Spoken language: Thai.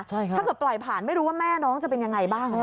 ถ้าเกิดปล่อยผ่านไม่รู้ว่าแม่น้องจะเป็นยังไงบ้าง